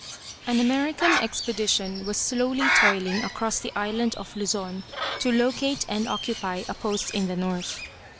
An American expedition was slowly toiling across the island of Luzon to locate and occupy a post in the north.